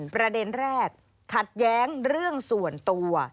ประเด็นแรกขัดแย้งเรื่องส่วนตัว